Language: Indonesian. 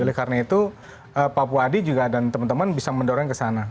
oleh karena itu pak puadi juga dan teman teman bisa mendorong ke sana